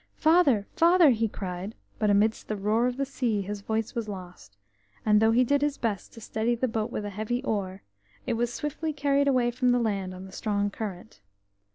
"Father! Father!" he cried, but amidst the roar of the sea his voice was lost, and though he did his best to steady the boat with a heavy oar, it was swiftly carried away from the land on the strong current.